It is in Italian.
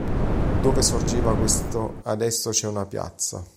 Dove sorgeva questo adesso c'è una piazza.